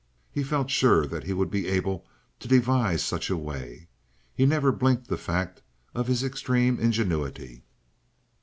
He felt sure that he would be able to devise such a way. He never blinked the fact of his extreme ingenuity.